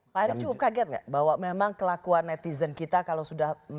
pak hercu kaget gak bahwa memang kelakuan netizen kita kalau sudah menerang